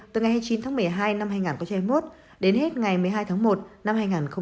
từ ngày hai mươi chín tháng một mươi hai năm hai nghìn hai mươi một đến hết ngày một mươi hai tháng một năm hai nghìn hai mươi